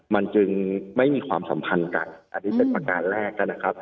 มันจึงไม่มีความสัมพันธ์กันอันนี้เป็นประการแรกนะครับ